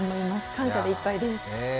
感謝でいっぱいです。